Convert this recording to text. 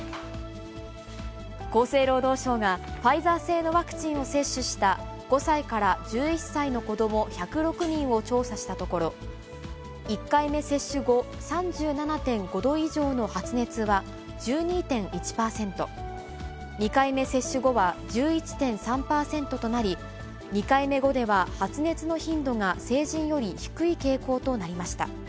厚生労働省がファイザー製のワクチンを接種した５歳から１１歳の子ども１０６人を調査したところ、１回目接種後、３７．５度以上の発熱は１２．１％、２回目接種後は１１．３％となり、２回目後では発熱の頻度が成人より低い傾向となりました。